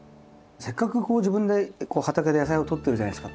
せっかくこう自分でこう畑で野菜をとってるじゃないですか。